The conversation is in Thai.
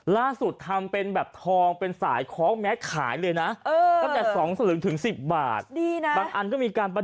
ละกับอันเอันใหม่